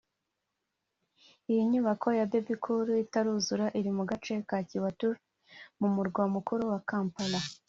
Iyi nyubako ya Bebe Cool itaruzura iri mu gace ka Kiwatule mu murwa mukuru Kampala